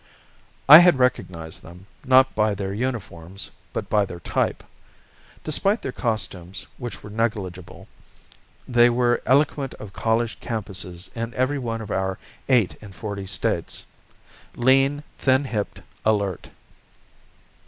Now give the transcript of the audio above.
I had recognized them, not by their uniforms but by their type. Despite their costumes, which were negligible, they were eloquent of college campuses in every one of our eight and forty States, lean, thin hipped, alert.